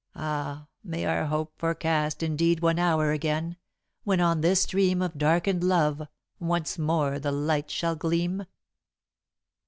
Ah! may our hope forecast Indeed one hour again, when on this stream Of darkened love once more the light shall gleam?